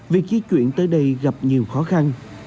việc di chuyển tới đây gặp nhiều khó khăn